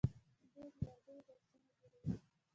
دوی د لرګیو بکسونه جوړوي.